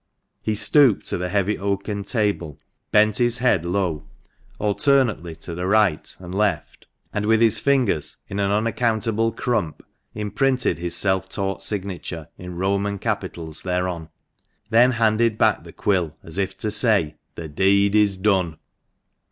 He stooped to the heavy oaken table, bent his head low, alternately to the right and left, and with HUMPHREY CHETHAM. Fro tn ait Engraving, THE MANCHESTER MAN. ^j his fingers in an unaccountable crump, imprinted his self taught signature in Roman capitals thereon, then handed back the quill, as if to say "The deed is done!"